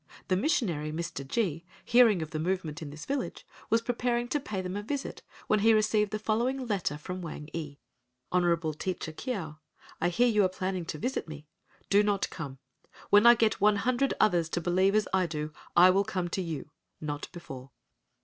The Missionary, Mr. G——, hearing of the movement in this village, was preparing to pay them a visit when he received the following letter from Wang ee. "Honorable teacher Keo,—I hear you are planning to visit me,—do not come! When I get one hundred others to believe as I do I will come to you—not before."